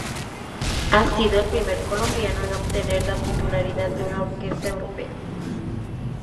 Ha sido el primer colombiano en obtener la titularidad de una orquesta europea.